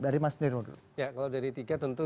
dari mas niro dulu ya kalau dari tiga tentu